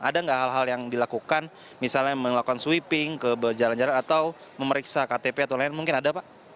ada nggak hal hal yang dilakukan misalnya melakukan sweeping ke jalan jalan atau memeriksa ktp atau lain mungkin ada pak